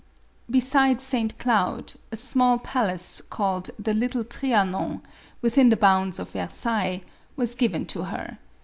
Besides St. Cloud, a small palace called the little Trianon, within the bounds of Versailles, was given to her.